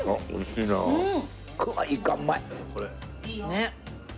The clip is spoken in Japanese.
ねっ。